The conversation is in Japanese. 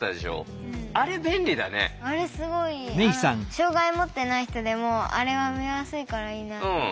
障害もってない人でもあれは見やすいからいいなと思った。